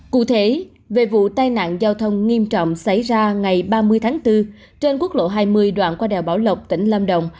cụ thể về vụ tai nạn giao thông nghiêm trọng xảy ra ngày ba mươi tháng bốn trên quốc lộ hai mươi đoạn qua đèo bảo lộc tỉnh lâm đồng